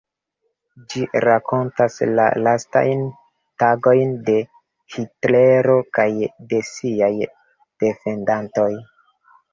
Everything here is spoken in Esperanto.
Ĝi rakontas la lastajn tagojn de Hitlero kaj de siaj defendantoj.